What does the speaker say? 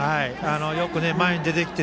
よく前に出てきて。